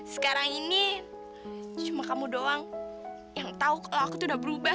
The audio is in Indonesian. sekarang ini cuma kamu doang yang tau kalau aku tuh udah berubah